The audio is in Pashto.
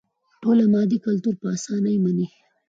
ټولنه مادي کلتور په اسانۍ مني.